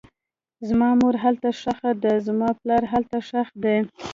زما مور هلته ښخه ده, زما پلار هلته ښخ دی